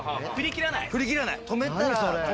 振り切らない。ＯＫ？